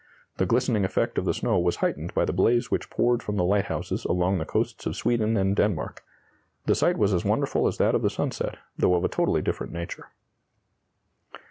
The glistening effect of the snow was heightened by the blaze which poured from the lighthouses along the coasts of Sweden and Denmark. The sight was as wonderful as that of the sunset, though of a totally different nature."